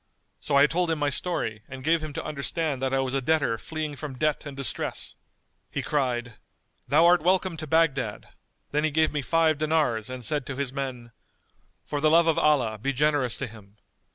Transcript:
So I told him my story and gave him to understand that I was a debtor fleeing from debt and distress. He cried, 'Thou art welcome to Baghdad'; then he gave me five dinars and said to his men, 'For the love of Allah be generous to him.